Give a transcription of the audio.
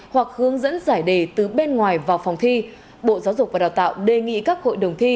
hoặc hướng dẫn giải đề từ bên ngoài vào phòng thi bộ giáo dục và đào tạo đề nghị các hội đồng thi